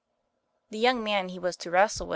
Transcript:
The young man he was to wrestle wit!